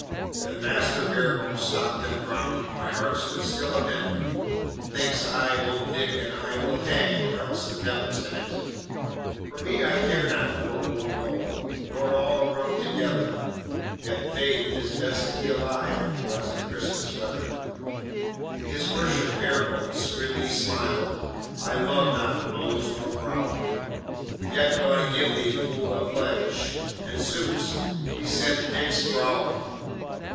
Then Master Barebones stopped and frowned; My heart stood still a minute; Thinks I, both Dick and I will hang, Or else the devil's in it! For me, I care not for old Noll, Nor all the Rump together. Yet, faith! 't is best to be alive In pleasant Xmas weather. His worship, Barebones, grimly smiled; "I love not blows nor brawling; Yet will I give thee, fool, a pledge!" And, zooks! he sent Dick sprawling!